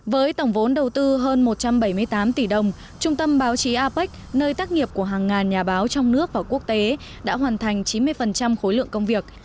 với tổng vốn đầu tư hơn một trăm bảy mươi tám tỷ đồng trung tâm báo chí apec nơi tác nghiệp của hàng ngàn nhà báo trong nước và quốc tế đã hoàn thành chín mươi khối lượng công việc